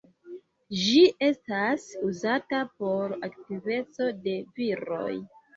Ĝi estas uzata por aktiveco de viroj.